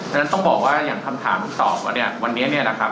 ฉะนั้นต้องบอกว่าอย่างคำถามสองเนี่ยวันนี้เนี่ยนะครับ